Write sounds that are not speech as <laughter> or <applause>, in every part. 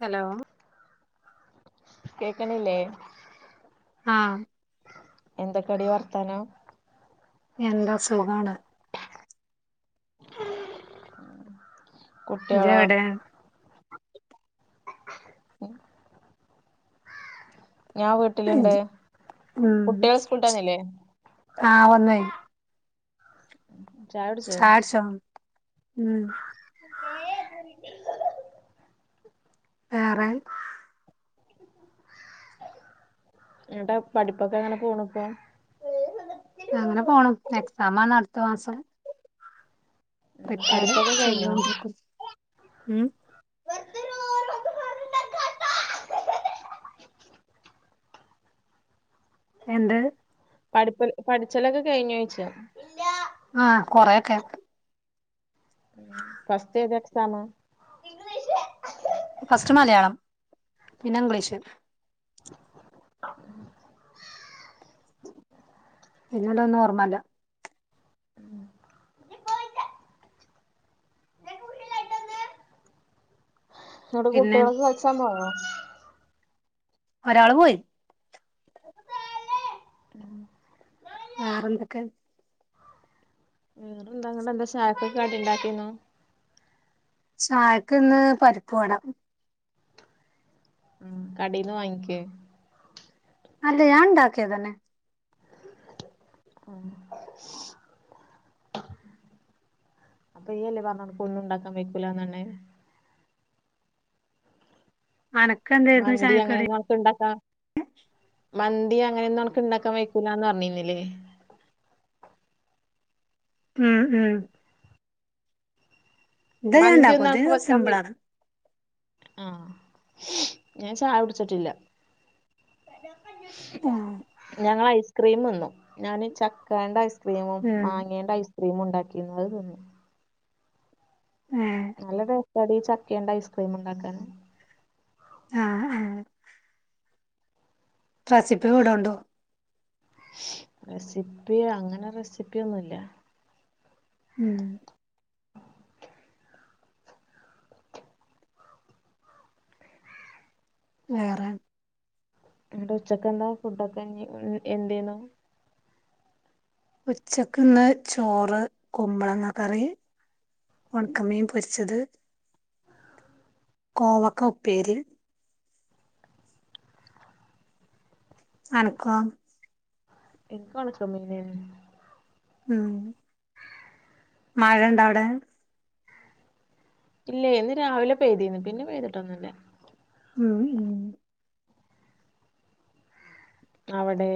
Hello കേക്കണില്ലേ ആഹ് എന്തൊക്കെടി വർത്താനം എന്താ സുഖാണ് ഇജ്ജ് കുട്ട്യാളോ എവിടെ ഉം ഞാൻ വീട്ടിലിണ്ട് ഉം കുട്ടിയൾ സ്കൂളിട്ടന്നില്ലേ ആഹ് വന്നേ ചായ ചായ കുടിച്ചോ ഉം ഏഹ് <unintelligible> വേറെൻ എന്നട്ട പഠിപ്പൊക്കെ എങ്ങനെ പോണ് ഇപ്പോ അങ്ങനെ പോണ് എക്സാമാണ് അടുത്ത മാസം. ഉം പ്രിപ്പയർ പഠിപ്പൊക്കെ കഴിഞ്ഞോ ചെയ്തൊണ്ടിരിക്കും. ഉം എന്ത് പഠിപ്പ പഠിച്ചലൊക്കെ കഴിഞ്ഞോയ്ച്ച ആഹ് കൊറേയൊക്കെ ഫസ്റ്റ് ഏത് എക്സാമ്. ഫസ്റ്റ് മലയാളം പിന്നെ ഇംഗ്ലീഷ് <inaudible> പിന്നെള്ള ഒന്നും ഓർമല്ല ഉം ന്നട്ട് പിന്നെ കുട്ടികൾകെ കളിച്ചാൻ പോയോ. ഒരാള് പോയി. ഉം വേറെന്തൊക്കെ <unintelligible> എന്താ ചായക്ക് കടി ഉണ്ടാക്കിയേനു ചായക്ക് ഇന്ന് പരിപ്പുവട. ഉം കടേന്ന് വാങ്ങിക്ക്വോ? അല്ല ഞാൻ ഉണ്ടാക്കിയത് തന്നെ ഉം അപ്പൊ ഇയ്യല്ലേ പറഞ്ഞെ അനക്ക് ഒന്നും ഉണ്ടാക്കാൻ വക്കൂലാന്നന്നെ. അനക്ക മന്തി അങ്ങനന്നെ നമുക്ക് ഇണ്ടാക്കാം മന്തി അങ്ങനെന്നും നമക്ക് ഉണ്ടാക്കാൻ വക്കൂലാന്ന് പറഞ്ഞിരുന്നില്ലേ. ഉം ഉം ഇത് ഞാൻ മന്തി ഒന്നും ഇണ്ടാക്കും നമ്ക്ക് ഇത് വെക്കാൻ വെയ് സിമ്പിളാണ് ആഹ് ഞാൻ ചായ കുടിച്ചിട്ടില്ല. ഉം ഞങ്ങള് ഐസ്ക്രീം തിന്നു ഞാന് ചക്കേണ്ട ഐസ് ക്രീമും ഉം മാങ്ങേണ്ട ഐസ്ക്രീമും ഉണ്ടാക്കിനു അത് തിന്നു. ഏഹ് നല്ല ടേസ്റ്റാടി ചക്കേണ്ട് ഐസ്ക്രീം ഉണ്ടാക്കാൻ. ആഹ് ആഹ് റെസിപ്പി വിടോണ്ടു. റെസിപ്പി അങ്ങനെ റെസിപ്പിയൊന്നൂല്ല. ഉം വേറെ ന്നട്ട് ഉച്ചക്കെന്താ ഫുഡൊക്കെ <unintelligible> എന്തേയ്ന്നു. ഉച്ചക്ക്ന്ന് ചോറ് കുമ്പളങ്ങ കറി ഒണക്കമീൻ പൊരിച്ചത്. കോവക്ക ഉപ്പേരി. അനക്കോ എന്ക്ക് ഒണക്കമീനെ ഉം മഴണ്ടാ അവിടെ ഇല്ല ഇന്ന് രാവിലെ പെയ്തിന്ന് പിന്നെ പെയ്തിട്ടൊന്നുംല്ല. ഉം ഉം അവിടെ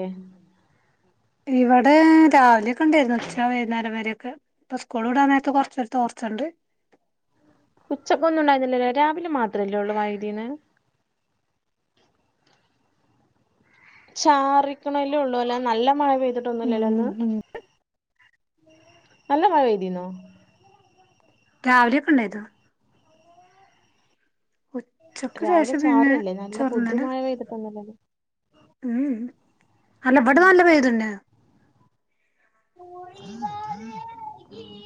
ഇവിടെ രാവിലെയൊക്കെ ഉണ്ടായിരുന്നു ഉച്ച വൈകുന്നേരം വരേയൊക്കെ ഇപ്പൊ സ്കൂൾ വിടാൻ നേരത്ത് കൊറച്ച് നേരത്ത് തോർച്ചയുണ്ട് ഉച്ചക്കൊന്നും ഉണ്ടായീന്നില്ലല്ലോ രാവിലെ മാത്രല്ലേ ഉളളൂ മഴ പെയ്തീന്ന് ചാറിക്കണല്ലേ ഉള്ളൂ അല്ലാതെ നല്ല മഴ പെയ്തിട്ടൊന്നൂല്ലല്ലോ ഉം ഇന്ന് ഉം നല്ല മഴ പെയ്തീന്നോ രാവിലെയൊക്കെണ്ടായിതോ ഉച്ചക്ക് ശേഷം പിന്നെ ചെറുന്നനെ പെയ്തിട്ടന്നല്ലേ ഉം അല്ല ഇവിടെ നല്ല പെയ്തുന്ന് ഉ ഉ <inaudible>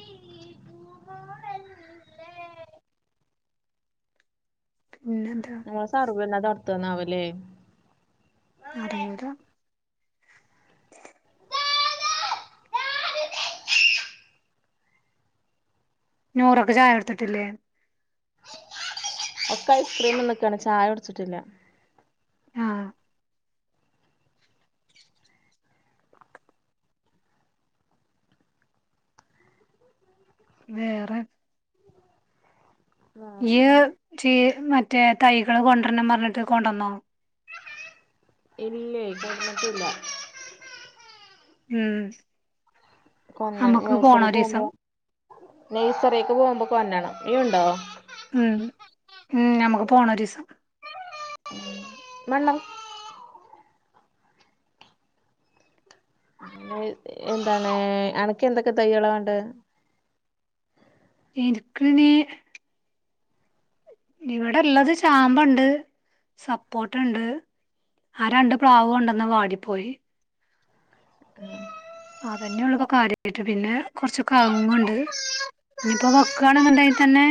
വേറെന്താ നമ്മ സർവേന്നത് അടുത്ത് തന്നാവൂല്ലേ അറിയൂല്ല നൂറക്ക് ചായ കൊടുത്തിട്ടില്ലേ ഒക്കെ ഐസ്ക്രീം തിന്നക്കാണ് ചായ കുടിച്ചിട്ടില്ല ആഹ് വേറെ വേറെന്താ ഇയ്യ് ചീ മറ്റേ തൈകള് കൊണ്ടുവരണം പറഞ്ഞിട്ട് കൊണ്ടന്നോ ഇല്ലയ് കൊട്ന്നിട്ടില്ല ഉം കൊന്നണം നമുക്ക് നഴ്സറി പോകുമ്പോ പോണൊരീസം നഴ്സറിക്ക് പോകുമ്പോ കൊന്നണം ഇയ്യ്ണ്ടോ ഉം ഉം നമുക്ക് പോണം ഒരൂസം നല്ലത് <unintelligible> എന്താണ് അണക്ക് എന്തൊക്കെ തൈകളാ വാണ്ടത് ഇൻക്ക്ണീ ഇവിടെള്ളത് ചാമ്പണ്ട് സപ്പോട്ടണ്ട് ആ രണ്ട് പ്ലാവ് കൊണ്ടന്നത് വാടിപ്പോയി ഉം അതന്നെ ഉള്ളൂ ഇപ്പൊ കാര്യയിട്ട് പിന്നെ കൊറച്ച് കവുങ്ങ്ണ്ട് ഇനിയിപ്പോ വെക്കാണ്ന്ന്ണ്ടെങ്കി തന്നെ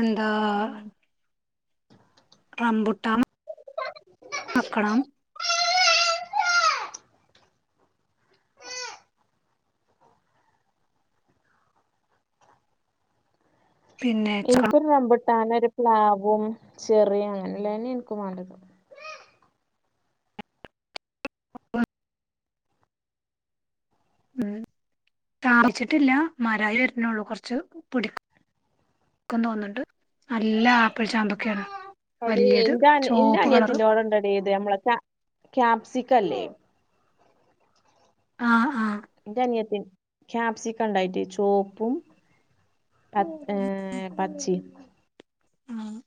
എന്താ ഉം റമ്പുട്ടാൻ വെക്കണം പിന്നെ ഇൻക്കൊരു റംബുട്ടാനും ഒരു പ്ലാവും ചെറിയും അങ്ങനെല്ലന്നെ ഇൻക്കും വേണ്ടത് കാഴ്ച്ചിട്ടില്ല മരായി വര്ണൊള്ളൂ കുറച്ച് പിടിക്കും ഇൻക്കും തോന്നുണ്ട് നല്ല ആപ്പിൾ ചാമ്പക്കെയാണ് അതേയ് ഇന്റെ ഇന്റെ അനിയത്തിന്റെവ്ടെ ഇണ്ടെടീ ഇത് ഞമ്മളെ ക്യാ ക്യാപ്സിക്ക ഇല്ലേ ആഹ് ആഹ് ഇന്റെ അനിയത്തി ക്യാപ്സിക്ക ഉണ്ടായിട്ട് ചോപ്പും ഏഹ് പച്ചിം ആഹ്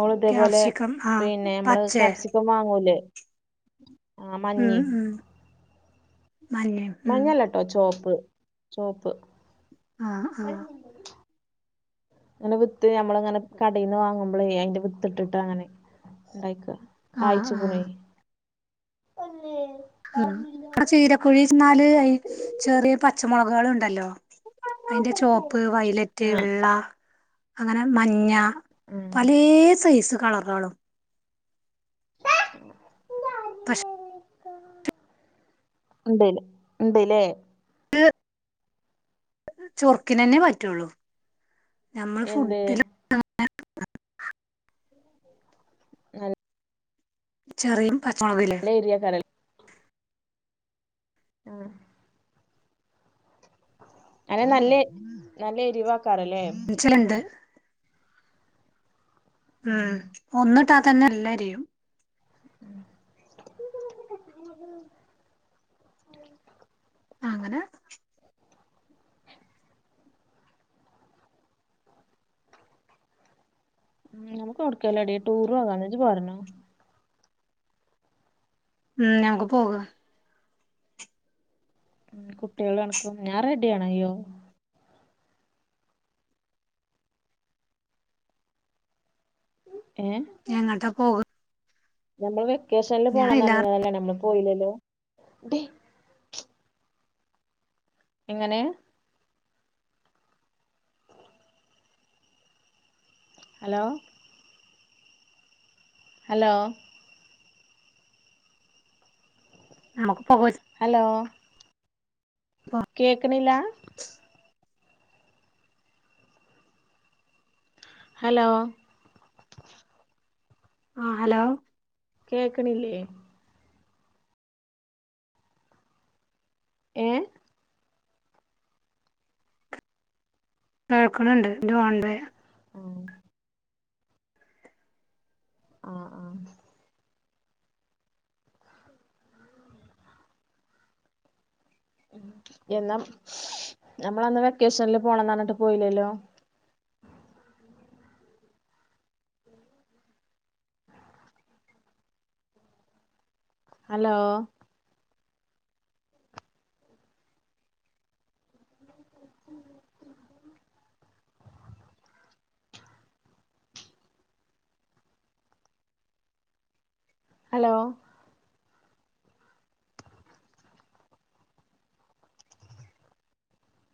ഓള് ഇതേപോലെ ക്യാപ്സിക്കം ആഹ് പിന്നെ നമ്മള് പച്ചേ കാപ്സിക്കം വാങ്ങൂലേ ആഹ് ആഹ് മഞ്ഞയോ മഞ്ഞല്ലട്ടോ ചോപ്പ് ചോപ്പ് ആഹ് ആഹ് ഇങ്ങനെ വിത്ത് ഞമ്മളിങ്ങനെ കടയിൽന്ന് വാങ്ങുമ്പളേ അയിന്റെ വിത്തിട്ടിട്ട് അങ്ങനെ ഉണ്ടായ്ക്കാ ആഹ് കായിച്ചുക്ക്ണേ ആഹ് അല്ലേ ഉം അവിടെ ചീരക്കുഴി ചെന്നാല് ചെറിയ പച്ചമുളകാള് ഇണ്ടല്ലോ അയ്ന്റെ ചോപ്പ്, വൈലറ്റ്, ആഹ് വെള്ള അങ്ങനെ മഞ്ഞ ആഹ് പലേ സൈസ് കളറാളും പക്ഷെ ഉണ്ട്ലെ ഉണ്ട്ലേ ചൊർക്കിനന്നെ പറ്റുള്ളൂ നമ്മള് എന്ത് ഫുഡില് ചെറിയും പച്ചമുളകും എരി <unintelligible> ആഹ് അയ്ന് നല്ല നല്ല എരിവാക്കാരല്ലേ ച്ചല്ണ്ട് ഉം ഒന്ന്ട്ട തന്നെ എല്ലേരിയും <unintelligible> അങ്ങനെ ഉം നമുക്ക് അവിടുകേലും എടീ ടൂറ് പോയാലോ ഇജ്ജ് പോരണോ ഉം ഞമ്മക്ക് പോക കുട്ടികൾ കണക്കും ഞാൻ റെഡിയാണ് ഇയ്യോ എങ്ങട്ട പോക നമ്മള് വെക്കേഷനില് ഞാൻ പോണം എല്ലാർ പറഞ്ഞിന്നല്ലോ നമ്മള് പോയില്ലല്ലോ എങ്ങനെ ഹലോ ഹലോ നമക്ക് പോക ഹലോ <unintelligible> കേക്ക്നില്ല <unintelligible> ഹലോ ആ ഹലോ കേൾക്കണില്ലേ ഏഹ് കേൾക്ക്ണണ്ട് ഇത് ഹോൾഡ് ആയ ആഹ് ആഹ് ആഹ് എന്നാ ഞമ്മളന്ന് വെക്കേഷനിൽ പോണന്ന് പറഞ്ഞിട്ട് പോയില്ലല്ലോ ഹലോ ഹലോ